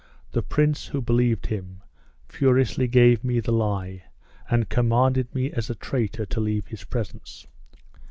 The prince, who believed him, furiously gave me the lie, and commanded me as a traitor to leave his presence.